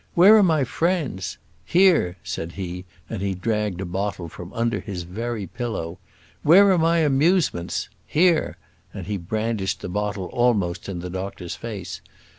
Where are my friends? Here!" said he, and he dragged a bottle from under his very pillow. "Where are my amusements? Here!" and he brandished the bottle almost in the doctor's face.